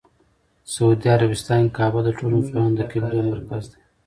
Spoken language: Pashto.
سعودي عربستان کې کعبه د ټولو مسلمانانو د قبله مرکز دی.